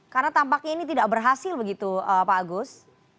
karena tampaknya ini tidak berhasil begitu pak agus